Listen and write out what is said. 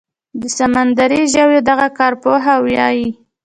د سمندري ژویو دغه کارپوهه وايي